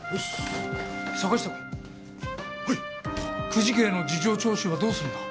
久慈家への事情聴取はどうするんだ？